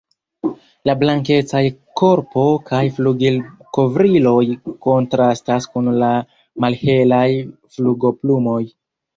La blankecaj korpo kaj flugilkovriloj kontrastas kun la malhelaj flugoplumoj.